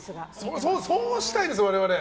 そうしたいんです、我々！